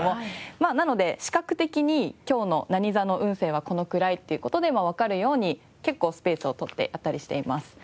まあなので視覚的に今日の何座の運勢はこのくらいっていう事でわかるように結構スペースを取ってあったりしています。